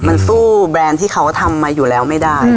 มันสู้แบรนด์ที่เขาทำมาอยู่แล้วไม่ได้